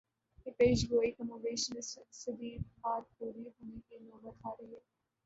یہ پیشگوئی کم و بیش نصف صدی بعد پوری ہونے کی نوبت آ رہی ہے۔